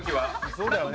そうだよね。